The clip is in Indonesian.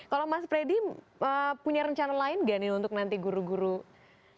kalau mas freddy punya rencana lain gak nih untuk nanti guru guru